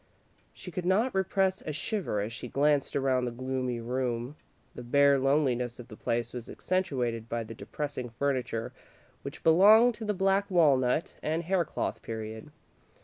She could not repress a shiver as she glanced around the gloomy room. The bare loneliness of the place was accentuated by the depressing furniture, which belonged to the black walnut and haircloth period.